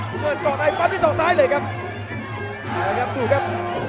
ถุงเงินต่อในปั๊บที่สองซ้ายเลยครับตายแล้วครับถูกครับ